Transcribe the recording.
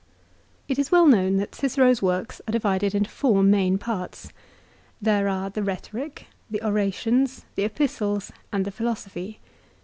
IT is well known that Cicero's works are divided into four main parts. There are the Rhetoric, the Orations, the Epistles, and the Philosophy.